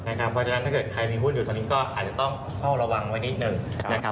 ถ้าใครมีหุ้นอยู่ตอนนี้ก็อาจจะต้องเข้าระวังไว้นิดนึง